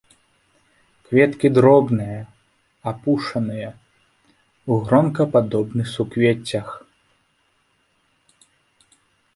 Кветкі дробныя, апушаныя, у гронкападобных суквеццях.